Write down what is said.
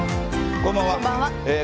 こんばんは。